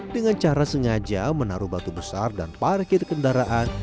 dengan cara sengaja menaruh batu besar dan parkir kendaraan